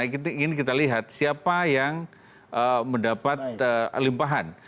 kita ingin lihat siapa yang mendapat limpahan